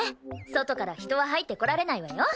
外から人は入ってこられないわよ。